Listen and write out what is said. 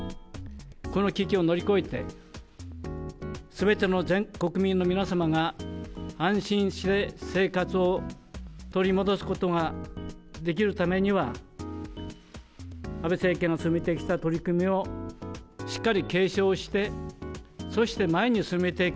この危機を乗り越えて、すべての全国民の皆様が、安心して生活を取り戻すことができるためには、安倍政権が進めてきた取り組みをしっかり継承して、そして前に進めていく。